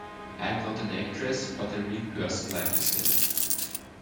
I am not an actress, but a real person like yourself.